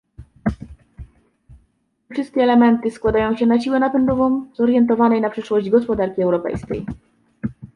Te wszystkie elementy składają się na siłę napędową zorientowanej na przyszłość gospodarki europejskiej